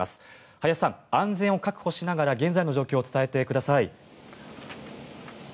林さん、安全を確保しながら現在の状況を伝えてください。